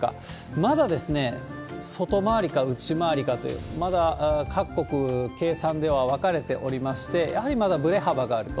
まだ外回りか内回りかという、まだ、各国計算では分かれておりまして、やはりまだぶれ幅があると。